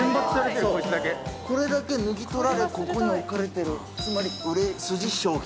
これだけ抜き取られここに置かれてるつまり売れ筋商品